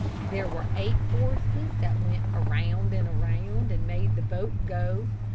There were eight horses that went around and around, and made the boat go.